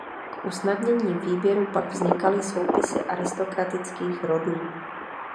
K usnadnění výběru pak vznikaly soupisy aristokratických rodů.